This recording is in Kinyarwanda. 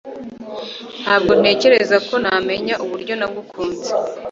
Ntabwo ntekereza ko namenye uburyo nagukunze